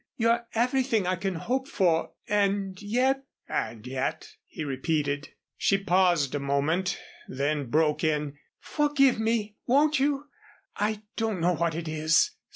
"You're everything I can hope for and yet " "And yet?" he repeated. She paused a moment, then broke in, "Forgive me, won't you? I don't know what it is.